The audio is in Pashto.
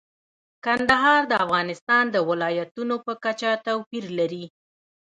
کندهار د افغانستان د ولایاتو په کچه توپیر لري.